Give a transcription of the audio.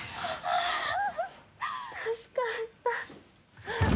助かった！